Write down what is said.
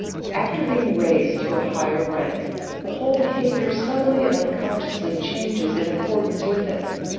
After being raised to a higher rank the whole behavior subtly and unconsciously changes in accordance with it."